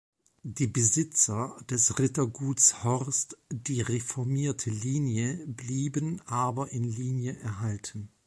Die Besitzer des Ritterguts Horst, die reformierte Linie, blieben aber in Linie erhalten.